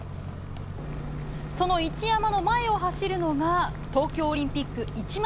その一山の前を走るのが東京オリンピック１００００